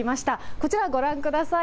こちら、ご覧ください。